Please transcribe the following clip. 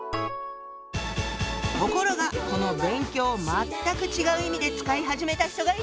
ところがこの「勉強」を全く違う意味で使い始めた人がいるの！